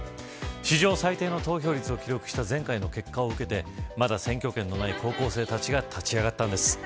史上最低の投票率を記録した前回の結果を受けてまだ選挙権のない高校生たちが立ち上がったんです。